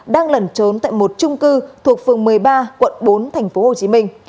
đang lẩn trốn tại một trung cư thuộc phường một mươi ba quận bốn thành phố hồ chí minh